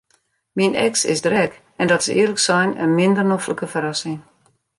Myn eks is der ek en dat is earlik sein in minder noflike ferrassing.